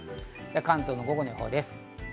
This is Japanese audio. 関東の午後の予報です。